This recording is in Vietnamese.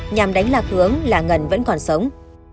nhằm đánh lạc hướng là ngân vẫn còn sống